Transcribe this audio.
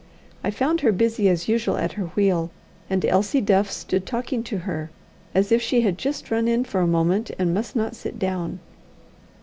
I found her busy as usual at her wheel, and Elsie Duff stood talking to her, as if she had just run in for a moment and must not sit down.